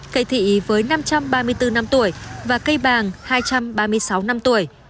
cây thị với năm trăm ba mươi bốn năm tuổi và cây bàng hai trăm ba mươi sáu năm tuổi